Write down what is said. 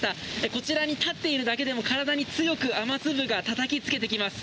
こちらに立っているだけでも体に強く雨粒がたたきつけてきます。